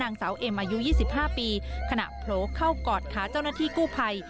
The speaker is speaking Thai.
นางสาวเอ็มอายุ๒๕ปีขณะโผล่เข้ากอดขาเจ้าหน้าที่กู้ภัย